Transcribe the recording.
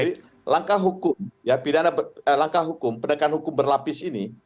jadi langkah hukum ya pidana eh langkah hukum penegakan hukum berlapis ini